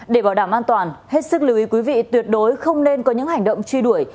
để bảo đảm an toàn hết sức lưu ý quý vị tuyệt đối không nên có những hành động truy đuổi